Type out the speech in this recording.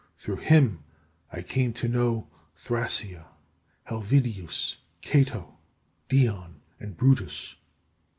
Through him I came to know Thrasea, Helvidius, Cato, Dion, and Brutus.